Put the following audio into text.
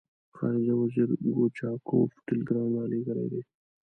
خارجه وزیر ګورچاکوف ټلګراف را لېږلی دی.